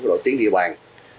của đội tiếng địa bàn